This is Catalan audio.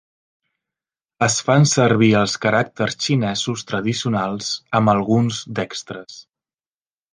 Es fan servir els caràcters xinesos tradicionals amb alguns d'extres.